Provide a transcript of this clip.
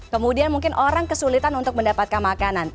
kemudian mungkin orang kesulitan untuk mendapatkan makanan